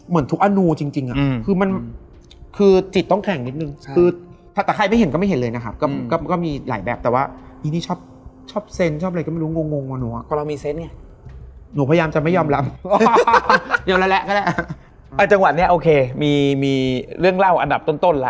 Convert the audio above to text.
หนูขนลุกแล้วแบบ